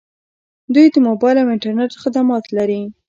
دوی د موبایل او انټرنیټ خدمات لري.